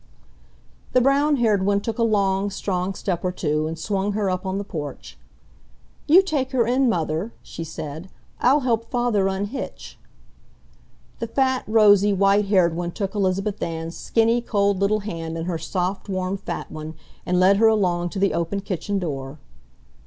The brown haired one took a long, strong step or two and swung her up on the porch. "You take her in, Mother," she said. "I'll help Father unhitch." The fat, rosy, white haired one took Elizabeth Ann's skinny, cold little hand in her soft warm fat one, and led her along to the open kitchen door.